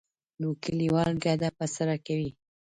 نو کلیوال کډه په سر کوي.